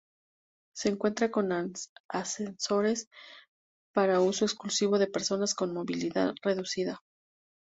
Se cuenta con ascensores para uso exclusivo de personas con movilidad reducida.